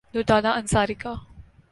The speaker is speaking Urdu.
دردانہ انصاری کا